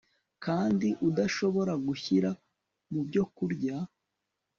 kandi udashobora gushyira mu byokurya